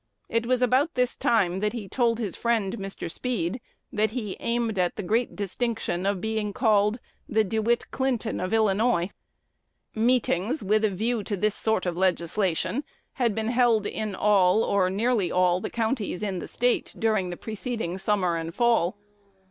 It was about this time that he told his friend, Mr. Speed, that he aimed at the great distinction of being called "the De Witt Clinton of Illinois." Meetings with a view to this sort of legislation had been held in all, or nearly all, the counties in the State during the preceding summer and fall.